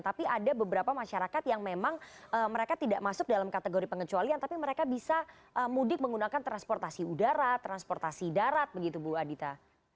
tapi ada beberapa masyarakat yang memang mereka tidak masuk dalam kategori pengecualian tapi mereka bisa mudik menggunakan transportasi udara transportasi darat begitu bu adita